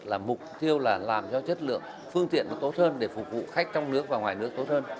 là mục tiêu là làm cho chất lượng phương tiện nó tốt hơn để phục vụ khách trong nước và ngoài nước tốt hơn